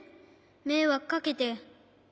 めいわくかけて。